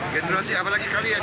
generasi apalagi kalian